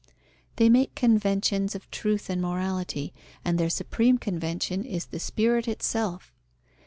They make conventions of truth and morality, and their supreme convention is the Spirit itself!